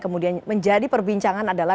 kemudian menjadi perbincangan adalah